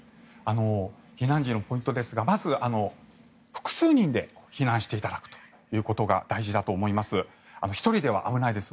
避難時のポイントですがまず複数人で避難していただくということが大事だと思います。